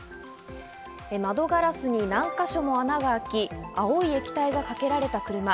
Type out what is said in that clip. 窓ガラスに何か所も穴が開き、青い液体がかけられた車。